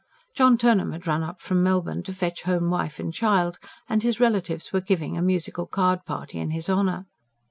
John Turnham had run up from Melbourne to fetch home wife and child; and his relatives were giving a musical card party in his honour.